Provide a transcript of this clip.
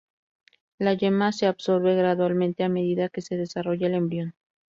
La yema se absorbe gradualmente a medida que se desarrolla el embrión.